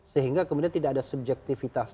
sehingga kemudian tidak ada subjektivitas